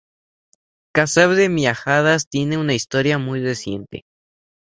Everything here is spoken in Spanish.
Casar de Miajadas tiene una historia muy reciente.